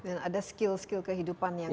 dan ada skill skill kehidupan yang bisa di